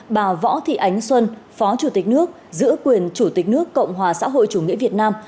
bà võ thị ánh xuân phó chủ tịch nước giữ quyền chủ tịch nước cộng hòa xã hội chủ nghĩa việt nam